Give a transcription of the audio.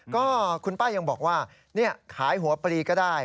ก็คุณป้ายังบอกว่าเนี้ยขายหัวปรีก่ะได้